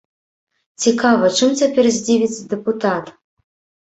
Цікава, чым цяпер здзівіць дэпутат?